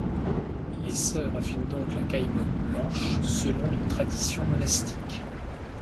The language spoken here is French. Les sœurs affinent donc la caillebotte blanche selon une tradition monastique.